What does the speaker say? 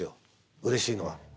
うれしいのは。